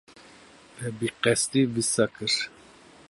We bi qesdî wisa kir?